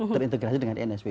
terintegrasi dengan nsw